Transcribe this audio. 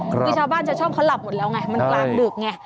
คือชาวบ้านชาวช่องเขาหลับหมดแล้วไงมันกลางดึกไง